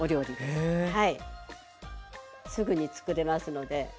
すぐに作れますので。